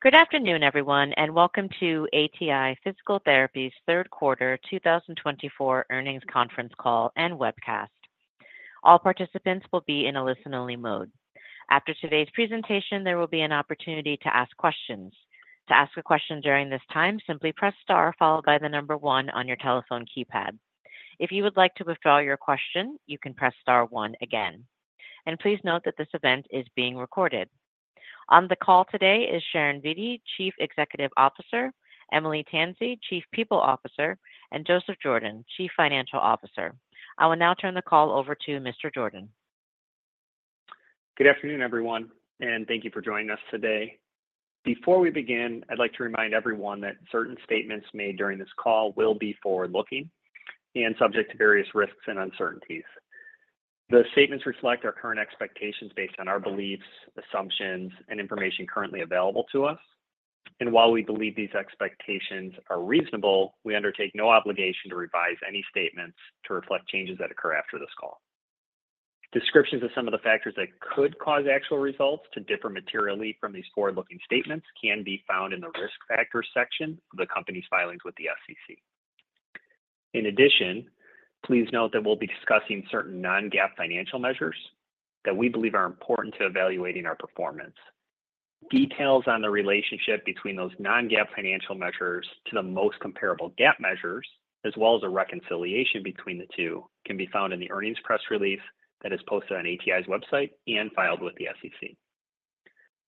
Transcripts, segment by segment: Good afternoon, everyone, and welcome to ATI Physical Therapy's third quarter 2024 earnings conference call and webcast. All participants will be in a listen-only mode. After today's presentation, there will be an opportunity to ask questions. To ask a question during this time, simply press star followed by the number one on your telephone keypad. If you would like to withdraw your question, you can press star one again. And please note that this event is being recorded. On the call today is Sharon Vitti, Chief Executive Officer, Eimile Tansey, Chief People Officer, and Joseph Jordan, Chief Financial Officer. I will now turn the call over to Mr. Jordan. Good afternoon, everyone, and thank you for joining us today. Before we begin, I'd like to remind everyone that certain statements made during this call will be forward-looking and subject to various risks and uncertainties. The statements reflect our current expectations based on our beliefs, assumptions, and information currently available to us, and while we believe these expectations are reasonable, we undertake no obligation to revise any statements to reflect changes that occur after this call. Descriptions of some of the factors that could cause actual results to differ materially from these forward-looking statements can be found in the risk factors section of the company's filings with the SEC. In addition, please note that we'll be discussing certain non-GAAP financial measures that we believe are important to evaluating our performance. Details on the relationship between those non-GAAP financial measures to the most comparable GAAP measures, as well as a reconciliation between the two, can be found in the earnings press release that is posted on ATI's website and filed with the SEC.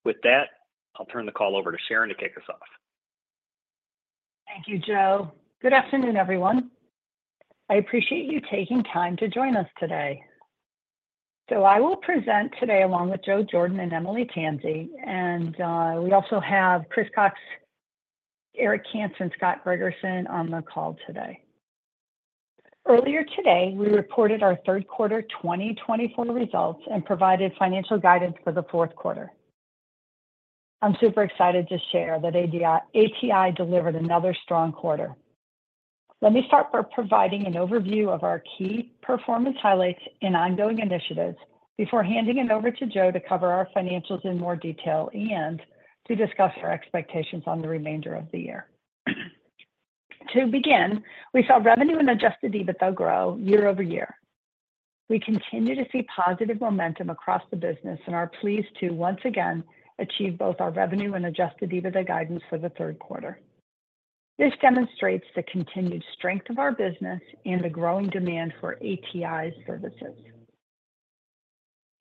With that, I'll turn the call over to Sharon to kick us off. Thank you, Joe. Good afternoon, everyone. I appreciate you taking time to join us today. So I will present today along with Joe Jordan, and Eimile Tansey. And we also have Chris Cox, Eric Hansen, and Scott Bergerson on the call today. Earlier today, we reported our third quarter 2024 results and provided financial guidance for the fourth quarter. I'm super excited to share that ATI delivered another strong quarter. Let me start by providing an overview of our key performance highlights and ongoing initiatives before handing it over to Joe to cover our financials in more detail and to discuss our expectations on the remainder of the year. To begin, we saw revenue and Adjusted EBITDA grow year-over-year. We continue to see positive momentum across the business and are pleased to once again achieve both our revenue and Adjusted EBITDA guidance for the third quarter. This demonstrates the continued strength of our business and the growing demand for ATI's services.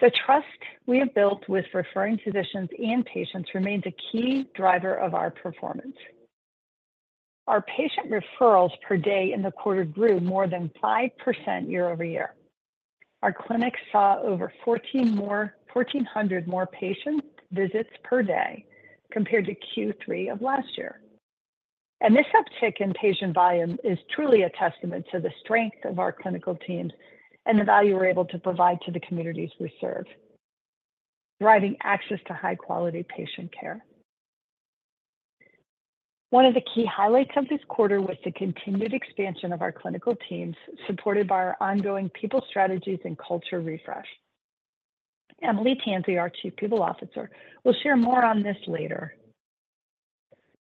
The trust we have built with referring physicians and patients remains a key driver of our performance. Our patient referrals per day in the quarter grew more than 5% year-over-year. Our clinic saw over 1,400 more patient visits per day compared to Q3 of last year. This uptick in patient volume is truly a testament to the strength of our clinical teams and the value we're able to provide to the communities we serve, driving access to high-quality patient care. One of the key highlights of this quarter was the continued expansion of our clinical teams, supported by our ongoing people strategies and culture refresh. Eimile Tansey, our Chief People Officer, will share more on this later.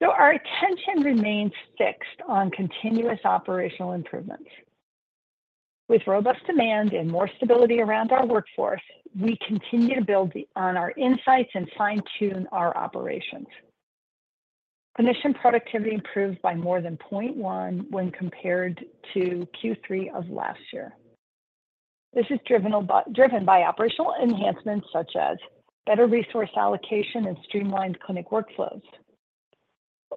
Our attention remains fixed on continuous operational improvements. With robust demand and more stability around our workforce, we continue to build on our insights and fine-tune our operations. Clinician productivity improved by more than 0.1 when compared to Q3 of last year. This is driven by operational enhancements such as better resource allocation and streamlined clinic workflows.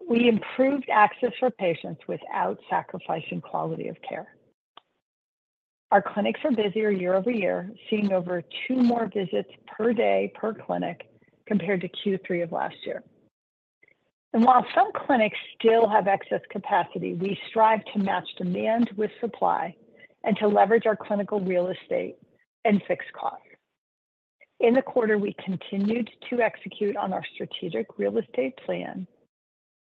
We improved access for patients without sacrificing quality of care. Our clinics are busier year-over-year, seeing over two more visits per day per clinic compared to Q3 of last year, and while some clinics still have excess capacity, we strive to match demand with supply and to leverage our clinical real estate and fixed costs. In the quarter, we continued to execute on our strategic real estate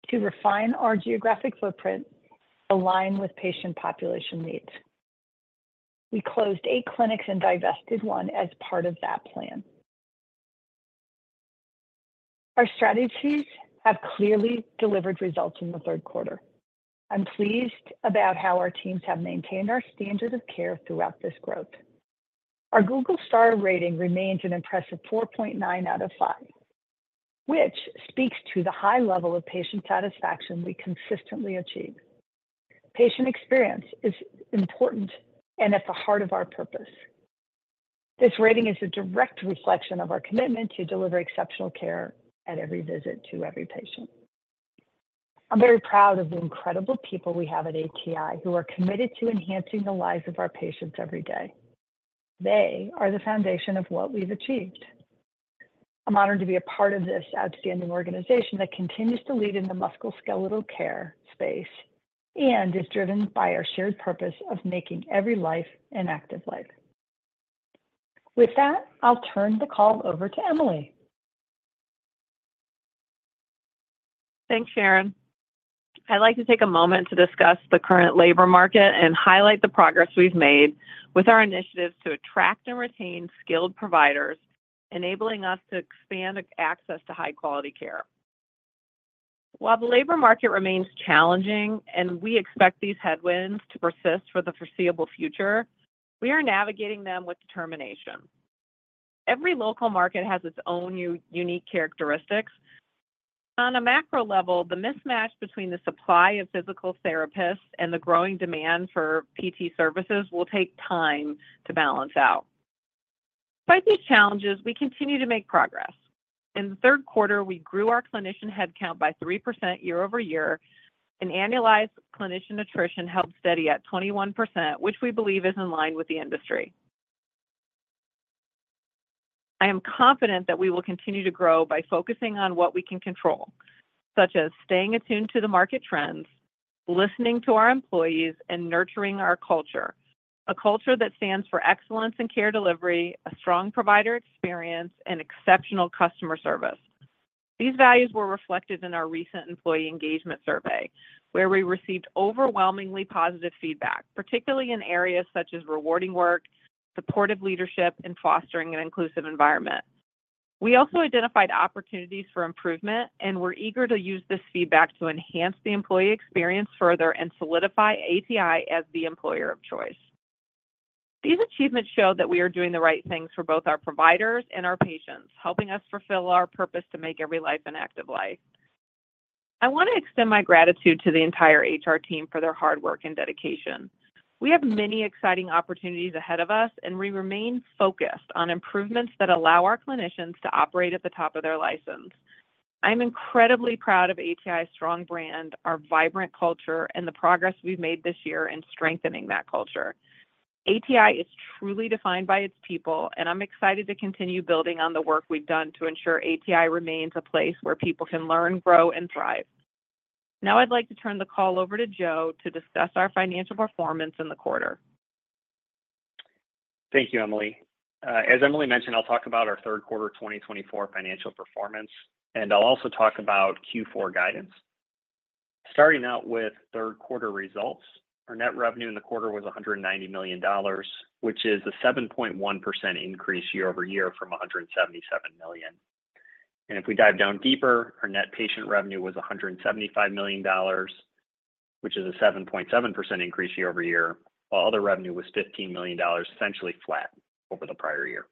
plan to refine our geographic footprint to align with patient population needs. We closed eight clinics and divested one as part of that plan. Our strategies have clearly delivered results in the third quarter. I'm pleased about how our teams have maintained our standard of care throughout this growth. Our Google star rating remains an impressive 4.9 out of 5, which speaks to the high level of patient satisfaction we consistently achieve. Patient experience is important and at the heart of our purpose. This rating is a direct reflection of our commitment to deliver exceptional care at every visit to every patient. I'm very proud of the incredible people we have at ATI who are committed to enhancing the lives of our patients every day. They are the foundation of what we've achieved. I'm honored to be a part of this outstanding organization that continues to lead in the musculoskeletal care space and is driven by our shared purpose of making every life an active life. With that, I'll turn the call over to Eimile. Thanks, Sharon. I'd like to take a moment to discuss the current labor market and highlight the progress we've made with our initiatives to attract and retain skilled providers, enabling us to expand access to high-quality care. While the labor market remains challenging and we expect these headwinds to persist for the foreseeable future, we are navigating them with determination. Every local market has its own unique characteristics. On a macro level, the mismatch between the supply of physical therapists and the growing demand for PT services will take time to balance out. Despite these challenges, we continue to make progress. In the third quarter, we grew our clinician headcount by 3% year-over-year, and annualized clinician attrition held steady at 21%, which we believe is in line with the industry. I am confident that we will continue to grow by focusing on what we can control, such as staying attuned to the market trends, listening to our employees, and nurturing our culture, a culture that stands for excellence in care delivery, a strong provider experience, and exceptional customer service. These values were reflected in our recent employee engagement survey, where we received overwhelmingly positive feedback, particularly in areas such as rewarding work, supportive leadership, and fostering an inclusive environment. We also identified opportunities for improvement and were eager to use this feedback to enhance the employee experience further and solidify ATI as the employer of choice. These achievements show that we are doing the right things for both our providers and our patients, helping us fulfill our purpose to make every life an active life. I want to extend my gratitude to the entire HR team for their hard work and dedication. We have many exciting opportunities ahead of us, and we remain focused on improvements that allow our clinicians to operate at the top of their license. I'm incredibly proud of ATI's strong brand, our vibrant culture, and the progress we've made this year in strengthening that culture. ATI is truly defined by its people, and I'm excited to continue building on the work we've done to ensure ATI remains a place where people can learn, grow, and thrive. Now I'd like to turn the call over to Joe to discuss our financial performance in the quarter. Thank you, Eimile. As Eimile mentioned, I'll talk about our third quarter 2024 financial performance, and I'll also talk about Q4 guidance. Starting out with third quarter results, our net revenue in the quarter was $190 million, which is a 7.1% increase year-over-year from $177 million, and if we dive down deeper, our net patient revenue was $175 million, which is a 7.7% increase year-over-year, while other revenue was $15 million, essentially flat over the prior year.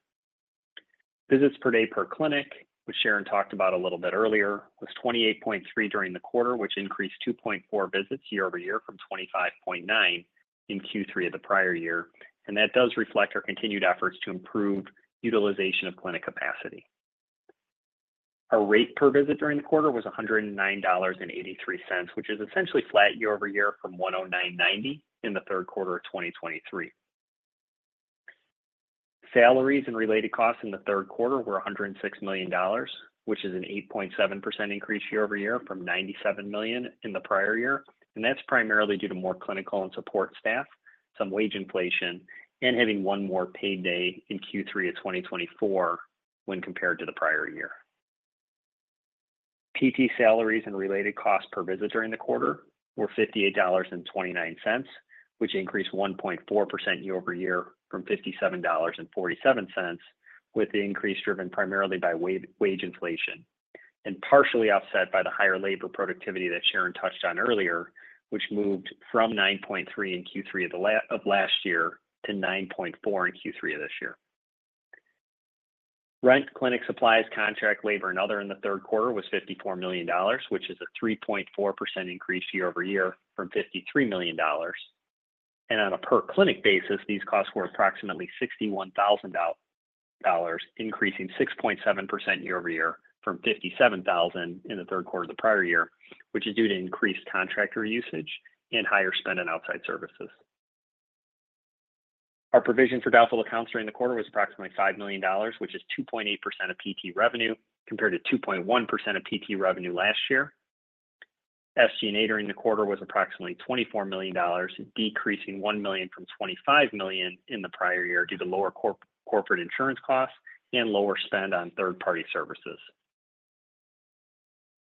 Visits per day per clinic, which Sharon talked about a little bit earlier, was 28.3 during the quarter, which increased 2.4 visits year-over-year from 25.9 in Q3 of the prior year, and that does reflect our continued efforts to improve utilization of clinic capacity. Our rate per visit during the quarter was $109.83, which is essentially flat year-over-year from $109.90 in the third quarter of 2023. Salaries and related costs in the third quarter were $106 million, which is an 8.7% increase year-over-year from $97 million in the prior year. and that's primarily due to more clinical and support staff, some wage inflation, and having one more payday in Q3 of 2024 when compared to the prior year. PT salaries and related costs per visit during the quarter were $58.29, which increased 1.4% year-over-year from $57.47, with the increase driven primarily by wage inflation and partially offset by the higher labor productivity that Sharon touched on earlier, which moved from 9.3 in Q3 of last year to 9.4 in Q3 of this year. Rent, clinic supplies, contract labor, and other in the third quarter was $54 million, which is a 3.4% increase year-over-year from $53 million. On a per clinic basis, these costs were approximately $61,000, increasing 6.7% year-over-year from $57,000 in the third quarter of the prior year, which is due to increased contractor usage and higher spend on outside services. Our provision for doubtful accounts during the quarter was approximately $5 million, which is 2.8% of PT revenue compared to 2.1% of PT revenue last year. SG&A during the quarter was approximately $24 million, decreasing $1 million from $25 million in the prior year due to lower corporate insurance costs and lower spend on third-party services.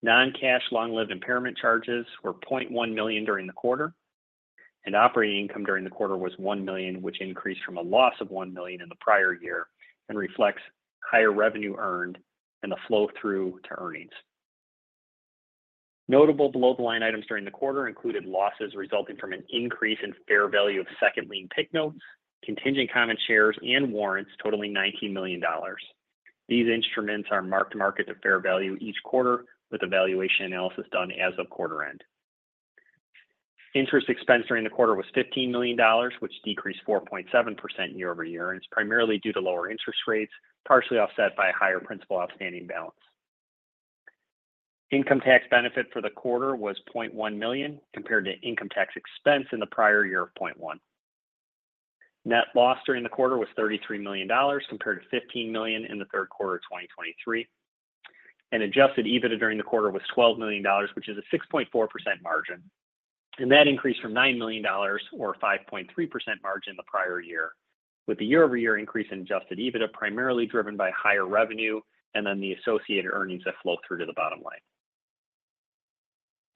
Non-cash long-lived impairment charges were $0.1 million during the quarter, and operating income during the quarter was $1 million, which increased from a loss of $1 million in the prior year and reflects higher revenue earned and the flow through to earnings. Notable below-the-line items during the quarter included losses resulting from an increase in fair value of second-lien PIK notes, contingent common shares, and warrants totaling $19 million. These instruments are marked to market to fair value each quarter with evaluation analysis done as of quarter end. Interest expense during the quarter was $15 million, which decreased 4.7% year-over-year, and it's primarily due to lower interest rates, partially offset by a higher principal outstanding balance. Income tax benefit for the quarter was $0.1 million compared to income tax expense in the prior year of $0.1. Net loss during the quarter was $33 million compared to $15 million in the third quarter of 2023, and Adjusted EBITDA during the quarter was $12 million, which is a 6.4% margin, and that increased from $9 million or a 5.3% margin the prior year, with the year-over-year increase in Adjusted EBITDA primarily driven by higher revenue and then the associated earnings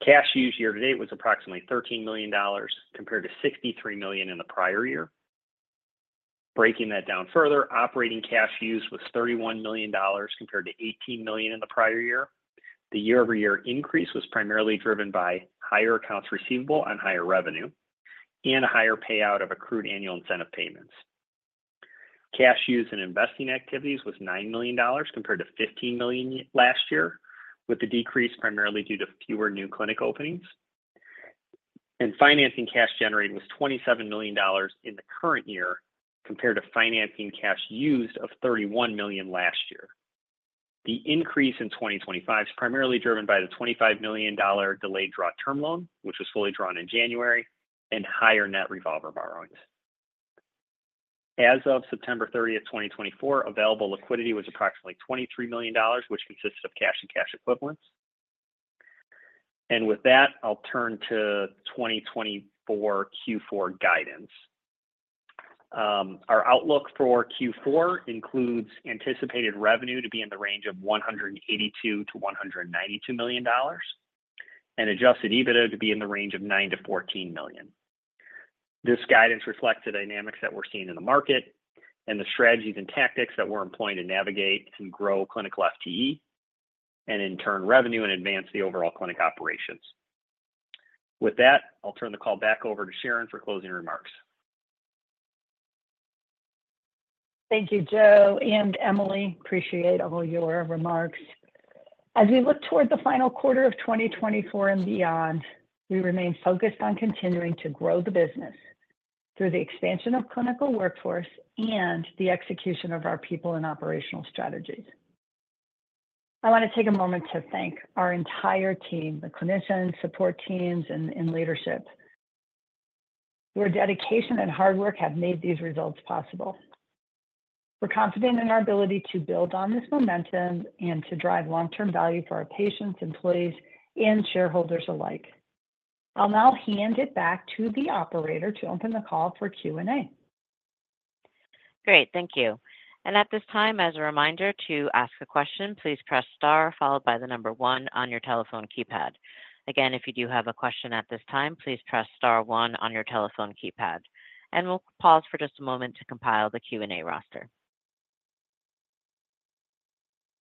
that flow through to the bottom line. Cash used year-to-date was approximately $13 million compared to $63 million in the prior year. Breaking that down further, operating cash used was $31 million compared to $18 million in the prior year. The year-over-year increase was primarily driven by higher accounts receivable and higher revenue and a higher payout of accrued annual incentive payments. Cash used in investing activities was $9 million compared to $15 million last year, with the decrease primarily due to fewer new clinic openings. Financing cash generated was $27 million in the current year compared to financing cash used of $31 million last year. The increase in 2025 is primarily driven by the $25 million delayed draw term loan, which was fully drawn in January, and higher net revolver borrowings. As of September 30th, 2024, available liquidity was approximately $23 million, which consisted of cash and cash equivalents. With that, I'll turn to 2024 Q4 guidance. Our outlook for Q4 includes anticipated revenue to be in the range of $182 million-$192 million and Adjusted EBITDA to be in the range of $9 million-$14 million. This guidance reflects the dynamics that we're seeing in the market and the strategies and tactics that we're employing to navigate and grow clinical FTE and, in turn, revenue and advance the overall clinic operations. With that, I'll turn the call back over to Sharon for closing remarks. Thank you, Joe and Eimile. Appreciate all your remarks. As we look toward the final quarter of 2024 and beyond, we remain focused on continuing to grow the business through the expansion of clinical workforce and the execution of our people and operational strategies. I want to take a moment to thank our entire team, the clinician support teams and leadership. Your dedication and hard work have made these results possible. We're confident in our ability to build on this momentum and to drive long-term value for our patients, employees, and shareholders alike. I'll now hand it back to the operator to open the call for Q&A. Great. Thank you. And at this time, as a reminder to ask a question, please press star followed by the number one on your telephone keypad. Again, if you do have a question at this time, please press star one on your telephone keypad. And we'll pause for just a moment to compile the Q&A roster.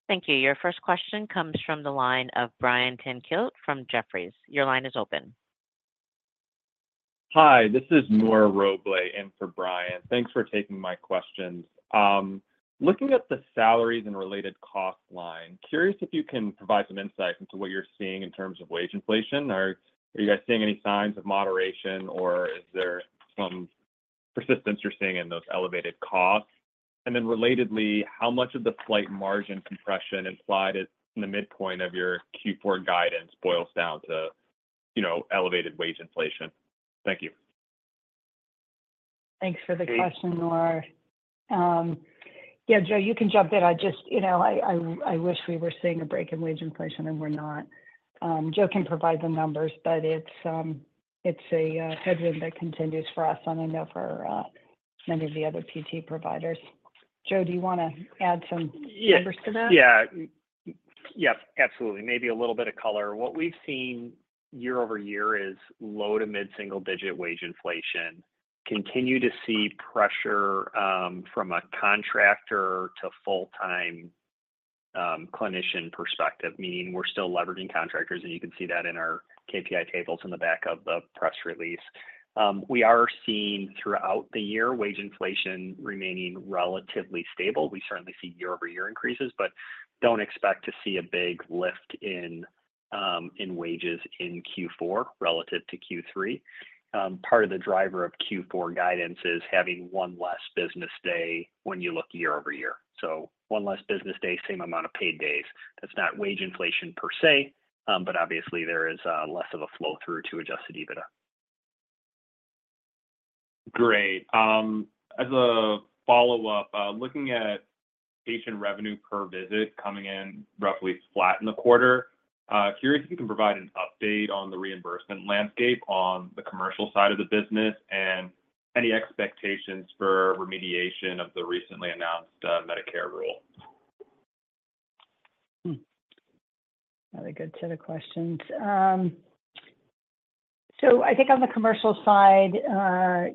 Thank you. Your first question comes from the line of Brian Tanquilut from Jefferies. Your line is open. Hi, this is Nora Roblay in for Brian. Thanks for taking my questions. Looking at the salaries and related cost line, curious if you can provide some insight into what you're seeing in terms of wage inflation. Are you guys seeing any signs of moderation, or is there some persistence you're seeing in those elevated costs? And then relatedly, how much of the slight margin compression implied in the midpoint of your Q4 guidance boils down to elevated wage inflation? Thank you. Thanks for the question, Nora. Yeah, Joe, you can jump in. I just, you know, I wish we were seeing a break in wage inflation, and we're not. Joe can provide the numbers, but it's a headwind that continues for us on a number of many of the other PT providers. Joe, do you want to add some numbers to that? Yeah. Yeah. Yep. Absolutely. Maybe a little bit of color. What we've seen year-over-year is low to mid-single-digit wage inflation. Continue to see pressure from a contractor to full-time clinician perspective, meaning we're still leveraging contractors, and you can see that in our KPI tables in the back of the press release. We are seeing throughout the year wage inflation remaining relatively stable. We certainly see year-over-year increases, but don't expect to see a big lift in wages in Q4 relative to Q3. Part of the driver of Q4 guidance is having one less business day when you look year-over-year. So one less business day, same amount of paydays. That's not wage inflation per se, but obviously there is less of a flow through to Adjusted EBITDA. Great. As a follow-up, looking at patient revenue per visit coming in roughly flat in the quarter, curious if you can provide an update on the reimbursement landscape on the commercial side of the business and any expectations for remediation of the recently announced Medicare rule? Really good set of questions, so I think on the commercial side,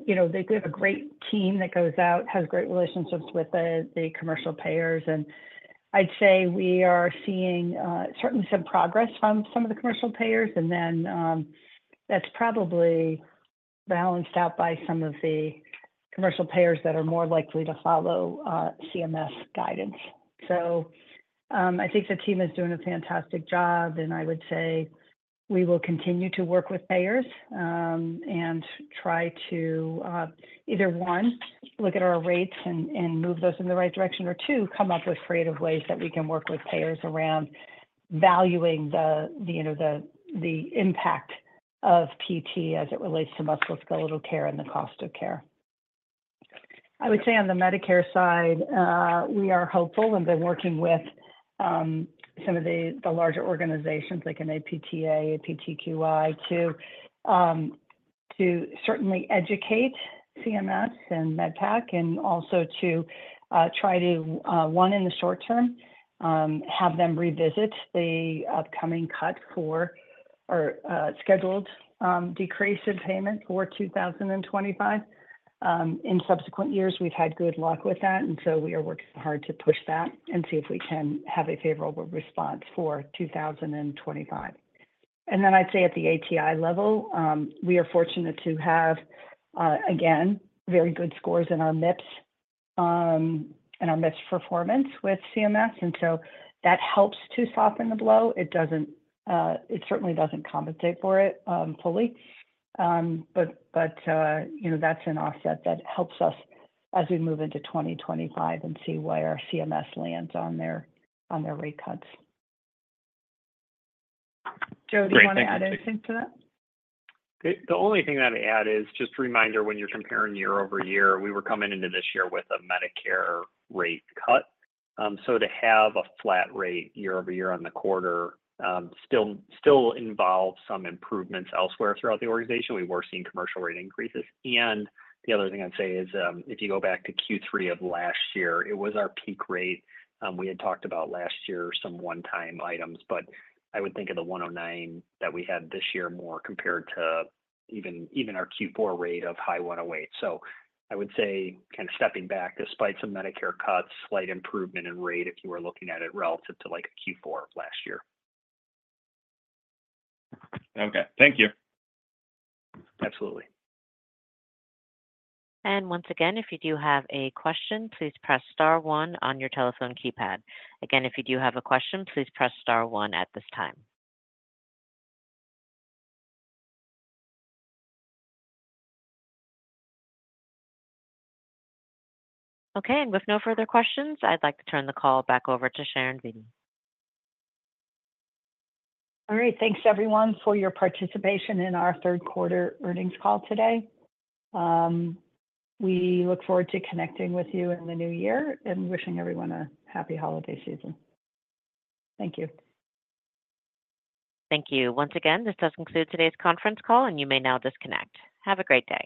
you know, they do have a great team that goes out, has great relationships with the commercial payers, and I'd say we are seeing certainly some progress from some of the commercial payers, and then that's probably balanced out by some of the commercial payers that are more likely to follow CMS guidance, so I think the team is doing a fantastic job, and I would say we will continue to work with payers and try to either, one, look at our rates and move those in the right direction, or two, come up with creative ways that we can work with payers around valuing the impact of PT as it relates to musculoskeletal care and the cost of care. I would say on the Medicare side, we are hopeful and have been working with some of the larger organizations like an APTA, a APTQI, to certainly educate CMS and MedPAC and also to try to, one, in the short term, have them revisit the upcoming cut for or scheduled decrease in payment for 2025. In subsequent years, we've had good luck with that, and so we are working hard to push that and see if we can have a favorable response for 2025. And then I'd say at the ATI level, we are fortunate to have, again, very good scores in our MIPS and our MIPS performance with CMS. And so that helps to soften the blow. It certainly doesn't compensate for it fully. But that's an offset that helps us as we move into 2025 and see where CMS lands on their rate cuts. Joe, do you want to add anything to that? The only thing that I'd add is just a reminder when you're comparing year-over-year, we were coming into this year with a Medicare rate cut. So to have a flat rate year-over-year on the quarter still involves some improvements elsewhere throughout the organization. We were seeing commercial rate increases. And the other thing I'd say is if you go back to Q3 of last year, it was our peak rate. We had talked about last year some one-time items, but I would think of the $109 that we had this year more compared to even our Q4 rate of high $108. So I would say kind of stepping back, despite some Medicare cuts, slight improvement in rate if you were looking at it relative to like Q4 of last year. Okay. Thank you. Absolutely. Once again, if you do have a question, please press star one on your telephone keypad. Again, if you do have a question, please press star one at this time. Okay. With no further questions, I'd like to turn the call back over to Sharon Vitti. All right. Thanks, everyone, for your participation in our third quarter earnings call today. We look forward to connecting with you in the new year and wishing everyone a happy holiday season. Thank you. Thank you. Once again, this does conclude today's conference call, and you may now disconnect. Have a great day.